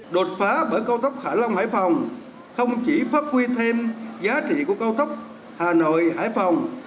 đột phá bởi cầu tốc hạ long hải phòng không chỉ pháp quy thêm giá trị của cầu tốc hà nội hải phòng